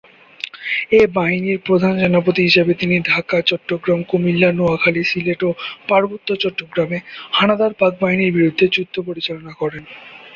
এ বাহিনীর প্রধান সেনাপতি হিসেবে তিনি ঢাকা, চট্টগ্রাম, কুমিল্লা, নোয়াখালী, সিলেট ও পার্বত্য চট্টগ্রামে হানাদার পাকবাহিনীর বিরুদ্ধে যুদ্ধ পরিচালনা করেন।